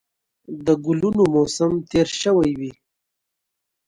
د ګلونو موسم تېر شوی وي